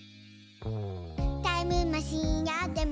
「タイムマシンあっても」